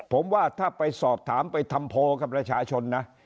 ผมว่าถ้าไปสอบถามไปทำโพลกับประชาชนนะ